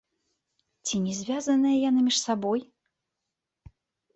Ці не звязаныя яны між сабой?